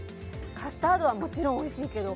カスタードはもちろんおいしいけど。